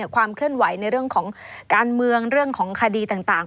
ความเคลื่อนไหวในเรื่องของการเมืองเรื่องของคดีต่าง